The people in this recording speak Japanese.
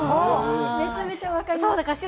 めちゃめちゃわかります。